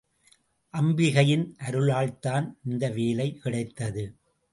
அம்பிகையின் அருளால்தான் இந்த வேலை கிடைத்தது.